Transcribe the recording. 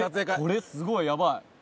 これすごいやばい。